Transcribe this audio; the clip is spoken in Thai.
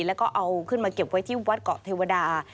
แล้วก็เอาขึ้นมาเก็บไว้ที่วัดเกาะเทวดา